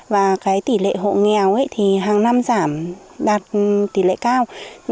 và cái tỷ lệ hộ nghèo thì hàng năm giảm đạt tỷ lệ cao